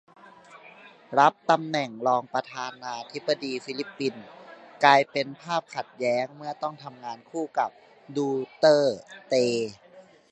รับตำแหน่งรองประธานาธิบดีฟิลิปปินส์ กลายเป็นภาพขัดแย้งเมื่อต้องทำงานคู่กับ 'ดูเตอร์เต'